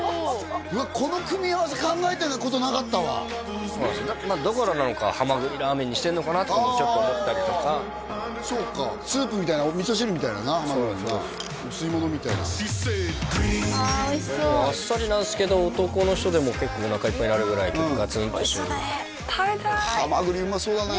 うわこの組み合わせ考えたことなかったわそうなんですだからなのか蛤ラーメンにしてるのかなとかもちょっと思ったりとかそうかスープみたいなお味噌汁みたいな蛤のなお吸い物みたいなああおいしそうあっさりなんすけど男の人でも結構おなかいっぱいになるぐらいガツンとしてるおいしそうだね